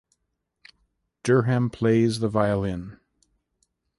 Derham plays the violin.